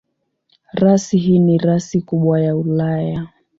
Rasi hii ni rasi kubwa ya Ulaya.